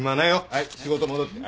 はい仕事戻って。